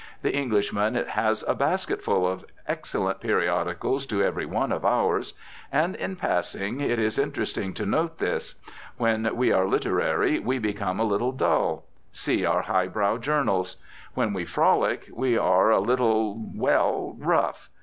The Englishman has a basketful of excellent periodicals to every one of ours. And in passing it is interesting to note this. When we are literary we become a little dull. See our high brow journals! When we frolic we are a little, well, rough.